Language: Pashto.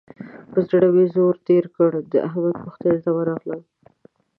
پر زړه مې زور تېر کړ؛ د احمد پوښتنې ته ورغلم.